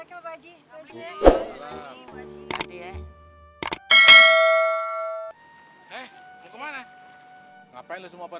capek kali beneran capek